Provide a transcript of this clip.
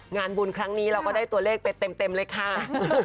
งานบุญครั้งนี้เราก็ได้ตัวเลขไปเต็มเลยค่ะ